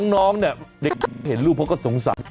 น้องเนี่ยเด็กเห็นรูปเขาก็สงสาร